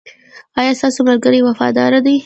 ایا ستاسو ملګري وفادار دي؟